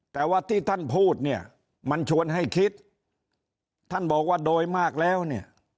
แต่ว่าที่ท่านพูดเนี่ยมันชวนให้คิดท่านบอกว่าโดยมากแล้วเนี่ย